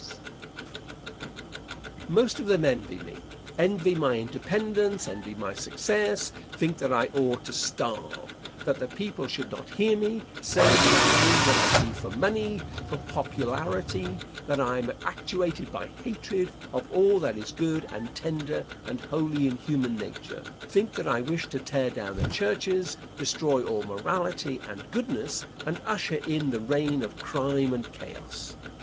Answer. Most of them envy me; envy my independence; envy my success; think that I ought to starve; that the people should not hear me; say that I do what I do for money, for popularity; that I am actuated by hatred of all that is good and tender and holy in human nature; think that I wish to tear down the churches, destroy all morality and goodness, and usher in the reign of crime and chaos.